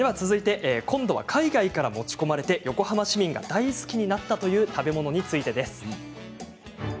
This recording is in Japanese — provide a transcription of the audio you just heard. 今度は海外から持ち込まれて横浜市民が大好きになったという食べ物についてです。